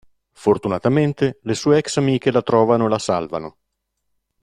Fortunatamente le sue ex amiche la trovano e la salvano.